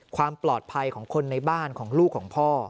ความปลอดภัยของคนในบ้านของลูกของพ่อ